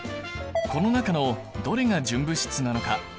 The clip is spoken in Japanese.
この中のどれが純物質なのか分かるかな？